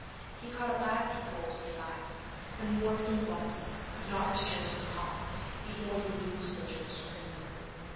He caught a bad cold besides, and more than once could not restrain his cough, even when he knew the soldiers were in the room.